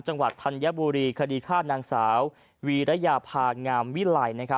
จังหวัดธัญบุรีคดีฆาตนางสาววีระยาภางามวิไล